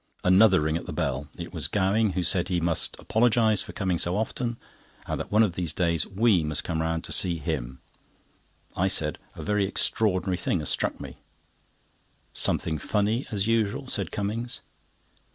Another ring at the bell; it was Gowing, who said he "must apologise for coming so often, and that one of these days we must come round to him." I said: "A very extraordinary thing has struck me." "Something funny, as usual," said Cummings.